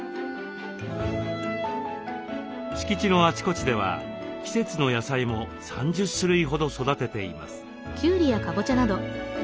敷地のあちこちでは季節の野菜も３０種類ほど育てています。